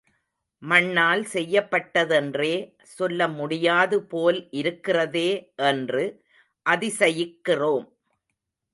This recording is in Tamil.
மண்ணால் செய்யப்பட்டதென்றே சொல்ல முடியாது போல் இருக்கிறதே என்று அதிசயிக்கிறோம்.